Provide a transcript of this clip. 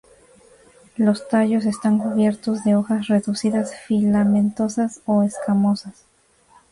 Los tallos están cubiertos de hojas reducidas filamentosas o escamosas.